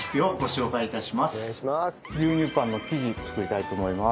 牛乳パンの生地作りたいと思います。